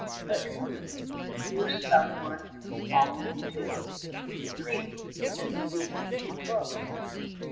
But who here's some one following too, A priest, and reading at his book!